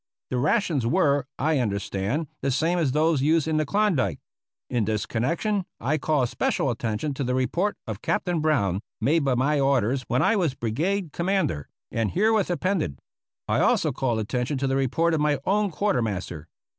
The rations were, I understand, the same as those used in the Klondike. In this connec tion, I call especial attention to the report of Captain Brown, made by my orders when I was Brigade Com mander, and herewith appended. I also call attention to the report of my own Quartermaster.